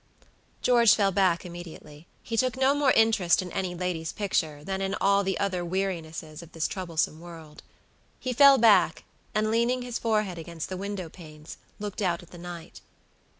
George fell back immediately. He took no more interest in any lady's picture than in all the other wearinesses of this troublesome world. He fell back, and leaning his forehead against the window panes, looked out at the night.